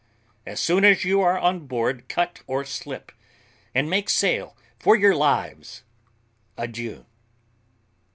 As soon as you are on board cut or slip, and make sail for your lives. Adieu.